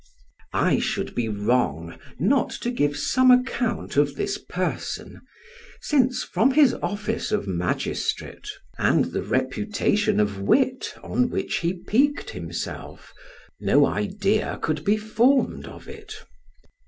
I should be wrong not to give some account of this person, since from his office of magistrate, and the reputation of wit on which he piqued himself, no idea could be formed of it.